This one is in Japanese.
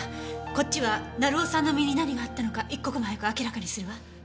こっちは成尾さんの身に何があったのか一刻も早く明らかにするわ。